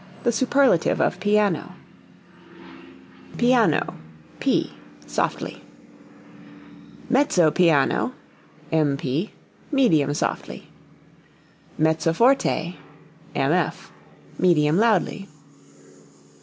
(The superlative of piano.) Piano (p) softly. Mezzo piano (mp) medium softly. Mezzo forte (mf) medium loudly.